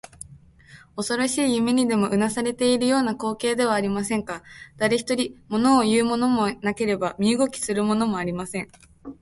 おそろしい夢にでもうなされているような光景ではありませんか。だれひとり、ものをいうものもなければ身動きするものもありません。